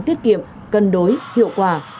tiết kiệm cân đối hiệu quả